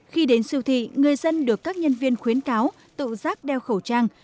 khi đến siêu thị người dân được các nhân viên khuyến cáo tự giác đeo khẩu trang